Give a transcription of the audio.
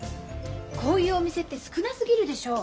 こういうお店って少なすぎるでしょう。